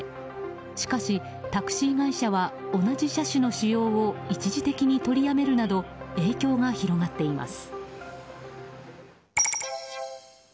しかし、タクシー会社は同じ車種の使用を一時的に取りやめるなど影響が広がっています。